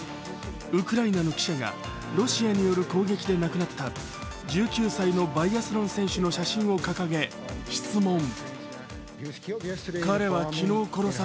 ウクライナの記者が、ロシアによる攻撃で亡くなった１９歳のバイアスロン選手の写真を掲げ、質問。